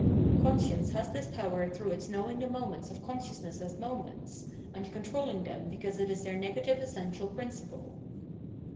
Conscience has this power through its knowing the moments of con sciousness as moments, and controlling them because it is their negative essential principle.